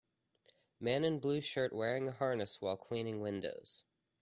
Man in blue shirt wearing a harness while cleaning windows.